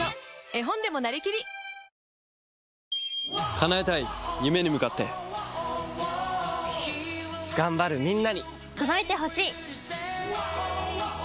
叶えたい夢に向かって頑張るみんなに届いてほしい！